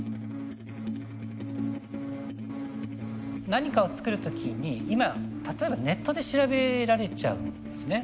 何かを作る時に今例えばネットで調べられちゃうんですね。